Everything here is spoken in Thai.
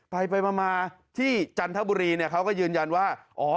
ไปมาที่จันทบุรีนี่เขาก็ยืนยันว่า